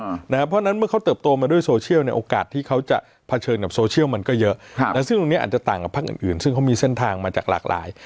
เพราะฉะนั้นเมื่อเขาเติบโตมาด้วยโซเชียลเนี่ยโอกาสที่เขาจะเผชิญกับโซเชียลมันก็เยอะ